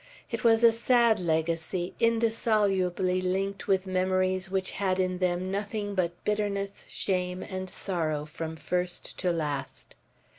It was a sad legacy, indissolubly linked with memories which had in them nothing but bitterness, shame, and sorrow from first to last.